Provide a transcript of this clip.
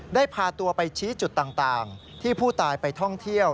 ได้พาตัวไปชี้จุดต่างที่ผู้ตายไปท่องเที่ยว